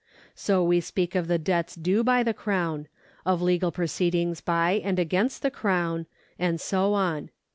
So we speak of the debts due by the Crown, of legal proceedings by and against the Crown, and so on.